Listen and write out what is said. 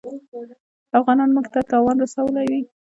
افغانانو موږ ته تاوان رسولی وي.